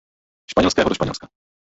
Španělského do Španělska.